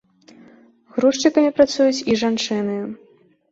Грузчыкамі працуюць і жанчыны.